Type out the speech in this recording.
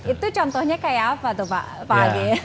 itu contohnya kayak apa tuh pak age